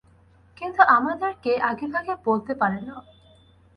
কিন্তু আমাদেরকে আগেভাগে বলতে পারে না।